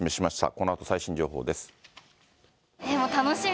このあと最新情報です。